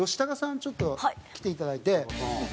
ちょっと来ていただいて。